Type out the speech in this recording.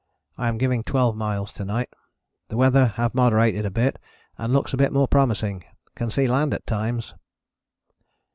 I am giving 12 miles to night. The weather have moderated a bit and looks a bit more promising. Can see land at times.